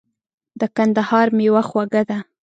د کندهار مېوه خوږه ده .